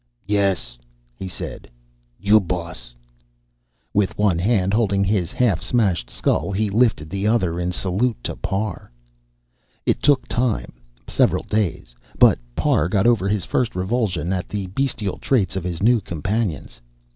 "Yes," he said, "you boss." With one hand holding his half smashed skull, he lifted the other in salute to Parr. It took time several days but Parr got over his first revulsion at the bestial traits of his new companions.